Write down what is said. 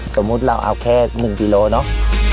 สมมุติเราเอาแค่หนึ่งกิโลเนอะ